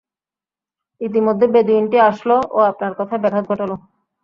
ইতিমধ্যে বেদুঈনটি আসল ও আপনার কথায় ব্যাঘাত ঘটাল।